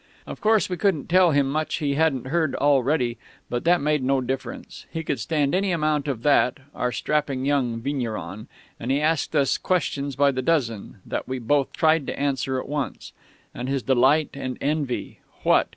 "Of course, we couldn't tell him much he hadn't heard already, but that made no difference; he could stand any amount of that, our strapping young vigneron; and he asked us questions by the dozen, that we both tried to answer at once. And his delight and envy!... What!